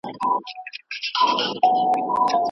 هغه کسان چي لېوالتیا لري تل تر نورو مخکي وي.